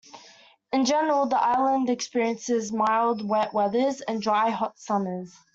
In general, the island experiences mild wet winters and dry hot summers.